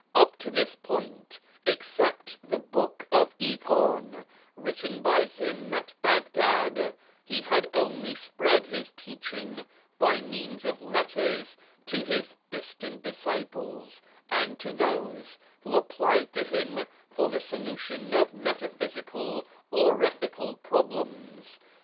Up to this point, except the Book of Iqan written by him at Baghdad, he had only spread his teaching by means of letters to his distant disciples and to those who applied to him for the solution of metaphysical or ethical pro blems.